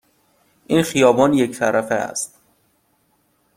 این خیابان یک طرفه است.